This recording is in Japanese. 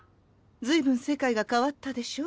随分世界が変わったでしょ？